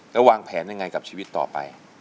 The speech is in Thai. แล้ววางแผนยังไงกับชีวิตต่อไป